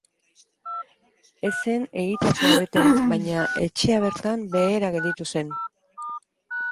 Ez zen egitasmoa bete baina etxea bertan behera gelditu zen.